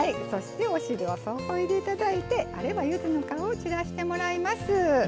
そしてお汁を注いでいただいてあれば、ゆずの皮を散らしてもらいます。